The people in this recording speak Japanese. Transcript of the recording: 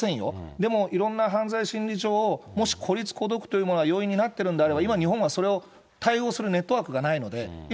でもいろんな犯罪心理上、もし孤立孤独というものが要因になってるんであれば、今、日本はそれを対応するネットワークがないので、今、